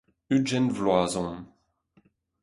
Ugent vloaz on.